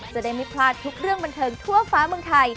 จะได้ไม่พลาดทุกเรื่องบันเทิงทั่วฟ้าเมืองไทย